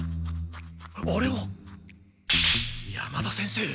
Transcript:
あれは山田先生。